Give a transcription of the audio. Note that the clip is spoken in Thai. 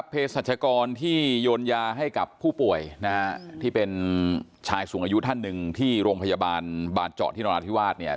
เพศรัชกรที่โยนยาให้กับผู้ป่วยนะฮะที่เป็นชายสูงอายุท่านหนึ่งที่โรงพยาบาลบานเจาะที่นราธิวาสเนี่ย